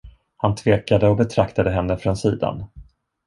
Han tvekade och betraktade henne från sidan.